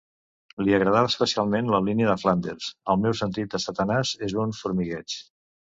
Li agradava especialment la línia de Flanders El meu sentit de Satanàs és un formigueig.